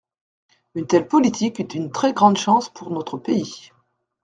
Une telle politique est une très grande chance pour notre pays.